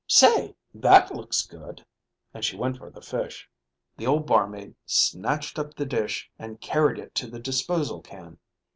Say, that looks good," and she went for the fish. The old barmaid snatched up the dish and carried it to the disposal can.